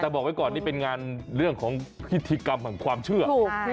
แต่บอกไว้ก่อนนี่เป็นงานเรื่องของพิธีกรรมแห่งความเชื่อ